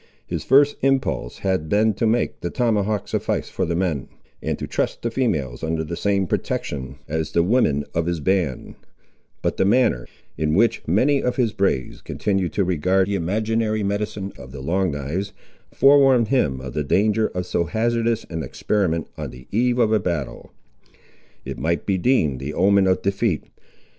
His first impulse had been to make the tomahawk suffice for the men, and to trust the females under the same protection as the women of his band; but the manner, in which many of his braves continued to regard the imaginary medicine of the Long knives, forewarned him of the danger of so hazardous an experiment on the eve of a battle. It might be deemed the omen of defeat.